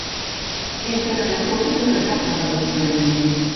He encarregat coques de recapte per les caramelles